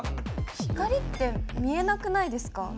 光って見えなくないですか？